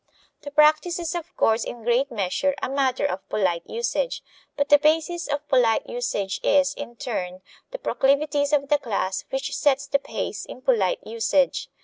The practice is of course in great measure a matter of polite usage; but the basis of polite usage is, in turn, the proclivities of the class which sets the pace in polite usage.